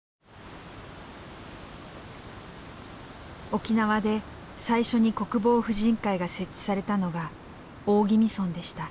沖縄で最初に国防婦人会が設置されたのが大宜味村でした。